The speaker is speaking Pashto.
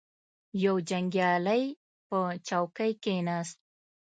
یو جنګیالی په چوکۍ کښیناست.